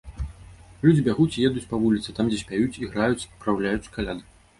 Людзі бягуць і едуць па вуліцы, там дзесь пяюць, іграюць, спраўляюць каляды.